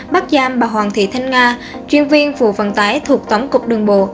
bắt giam bà hoàng thị thanh nga chuyên viên vụ vận tải thuộc tổng cục đường bộ